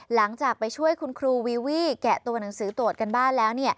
หลังจากไปช่วยคุณครูวีวี่แกะตัวหนังสือตรวจกันบ้านแล้ว